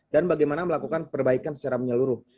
dan bagaimana melakukan perbaikan secara menyeluruh